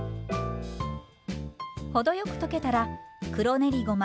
程よく溶けたら黒練りごま